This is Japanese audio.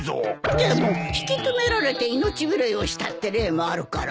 でも引き留められて命拾いをしたって例もあるからね。